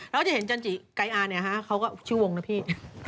แล้วอย่างจันจิไกยอ้าเนี่ยฮะเค้าก็ชื่อวงเนอะพี่